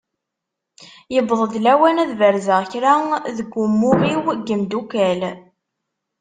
Yewweḍ-d lawan ad berzeɣ kra deg umuɣ-iw n yemdukal.